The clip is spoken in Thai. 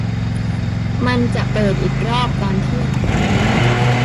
มันจะเปิดอีกรอบตอนเที่ยง